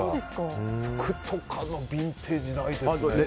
服とかのビンテージ、ないですね。